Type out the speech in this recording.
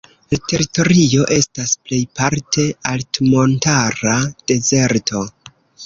La teritorio estas plejparte altmontara dezerto.